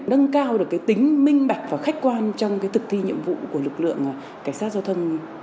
nâng cao được tính minh bạch và khách quan trong thực thi nhiệm vụ của lực lượng cảnh sát giao thông